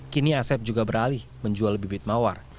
kini asep juga beralih menjual bibit mawar